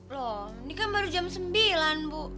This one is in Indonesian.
loh ini kan baru jam sembilan bu